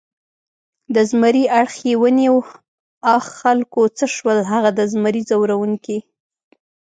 د زمري اړخ یې ونیو، آ خلکو څه شول هغه د زمري ځوروونکي؟